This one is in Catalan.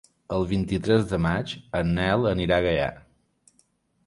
El vint-i-tres de maig en Nel anirà a Gaià.